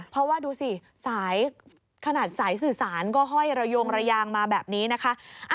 เพราะว่าดูสิสายขนาดสายสื่อสารก็ห้อยระยงระยางมาแบบนี้นะคะ